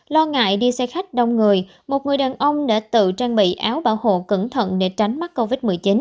lo ngại đi xe khách đông người một người đàn ông đã tự trang bị áo bảo hộ cẩn thận để tránh mắc covid một mươi chín